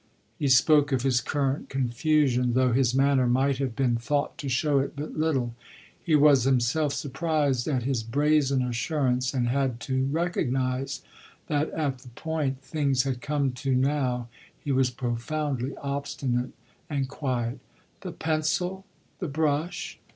He spoke of his current confusion, though his manner might have been thought to show it but little. He was himself surprised at his brazen assurance and had to recognise that at the point things had come to now he was profoundly obstinate and quiet. "The pencil the brush?